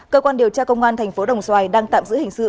cơ quan điều tra công an thành phố đồng xoài đang tạm giữ hình sự